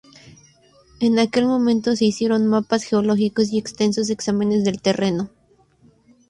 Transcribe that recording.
En aquel momento se hicieron mapas geológicos y extensos exámenes del terreno.